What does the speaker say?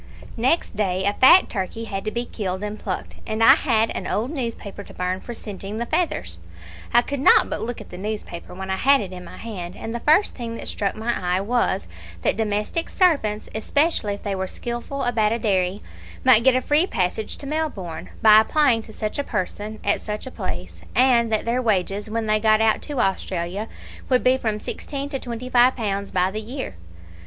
"Next day a fat turkey had to be killed and plucked, and I had an old newspaper to burn for singeing the feathers. I could not but look at the newspaper, when I had it in my hand, and the first thing that struck my eye was, that domestic servants, especially if they were skilful about a dairy, might get a free passage to Melbourne, by applying to such a person, at such a place, and that their wages when they got out to Australia would be from sixteen to twenty five pounds by the year.